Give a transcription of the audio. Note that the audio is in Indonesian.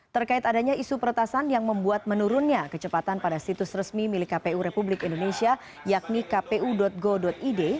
terkait adanya isu peretasan yang membuat menurunnya kecepatan pada situs resmi milik kpu republik indonesia yakni kpu go id